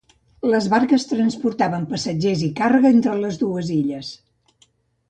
Les barques transportaven passatgers i càrrega entre les dues illes.